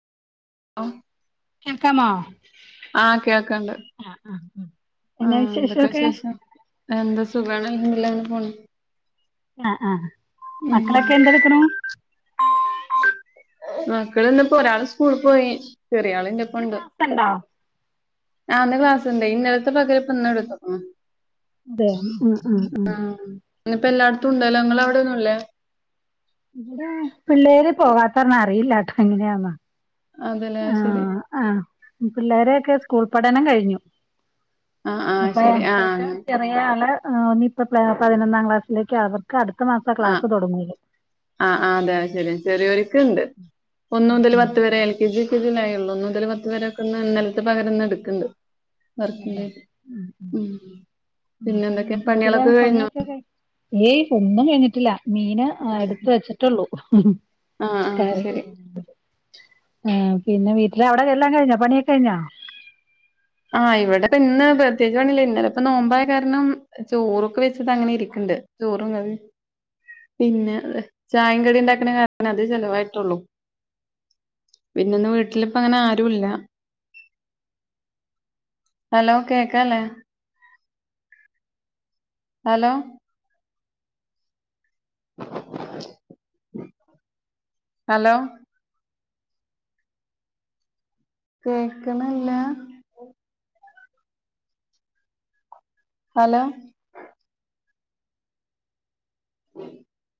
ആഹ് കേൾക്കാമോ ആഹ് കേൾക്ക്ണ്ട് ആഹ് ആഹ് എന്നാ വിശേഷം ഒക്കെ എന്താ സുഖണു അൽഹംദുലില്ലാഹ് അങ്ങനെ പോണു ആഹ് ആഹ് ഉം മക്കളൊക്കെ എന്ത്‌ എടുക്ക്ണു മക്കള് ഇന്ന്പ്പോ ഒരാൾ സ്കൂള് പോയി ചെറിയ ആള് ഇന്റെപ്പണ്ട് ക്കണ്ടോ ആഹ് ഇന്ന് ക്ലാസ്സ്ണ്ടയ് ഇന്നലത്തെ പകരം ഇപ്പ ഇന്ന് എടുതുകുണു അതെ ഉം ഉം ഉം ആഹ് ഇന്ന് ഇപ്പോ എല്ലായിടത്തും ഉണ്ടല്ലോ ഇങ്ങളെ അവിടെന്നു ഇല്ലേ ഇവിടെ പിള്ളേര് പോവാത്തന്ന അറിയില്ല കേട്ടോ എങ്ങനെയാന്ന് അതല്ലേ ശെരി ആഹ് ആഹ് പിള്ളേരൊക്കെ സ്കൂൾ പഠനം കഴിഞ്ഞു ആഹ് ആഹ് അപ്പ ശരി ആഹ് ഏറ്റവും അങ്ങനെ ചെറിയ ആള് ഇനി ഇപ്പോ പതിനൊന്നാം ക്ലാസ്സിലേക്ക് ആകുന്നു ക്കടുത്ത മാസ ആഹ് ക്ലാസ് തൊടങ്ങോള്ളൂ ആഹ് അതെ അത് ശരി ചെറിയൊര്ക്ക് ണ്ട് ഒന്ന് ഉം ഉം മുതല് ഉം പത്ത് വരെ കെ ജി [unintelligible] ള്ളൂ ഒന്ന് മുതൽ പത്ത് വരൊക്കെന്ന് ന്നൽത്തെ പകരം ന്ന് ട്ക്ക്ണ്ട് വർക്കില് ഉം ഉം പിന്നെ ന്തൊക്കെ വീട്ടിലെ പണ്യാളൊക്കെ കയ്ഞൊ പണിയൊക്കെ കഴി ഏയ് ഒന്നും കഴിഞ്ഞിട്ടില്ല മീന് എടുത് വെച്ചിട്ടൊള്ളൂ ആഹ് ആഹ് ശരി ആഹ് പിന്നെ വീട്ടില് അവിടെ എല്ലാം കഴ്ഞ്ഞോ പണിയൊക്കെഴ്ഞ്ഞോ ആഹ് ഇവിടെപ്പന്ന് പ്രത്യേകിച്ച് പണില്ല ഇന്നലപ്പ നോമ്പായ കാരണം ചോറൊക്കെ വെച്ചത അങ്ങനെ ഇരിക്ണ്ട് ചോറും കറീം പിന്നെ ചായികടി ണ്ടാക്കണ കാര [unintelligible] അത് ചെലവായിട്ടൊള്ളൂ പിന്നന്ന് വീട്ടിലിപ്പങ്ങനാരുല്ല ഹലോ കേക്കാല്ലേ ഹലോ ഹലോ കേക്ക്ണ്ല്ല ഹലോ